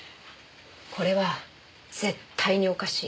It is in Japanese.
これは絶対におかしい。